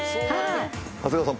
長谷川さん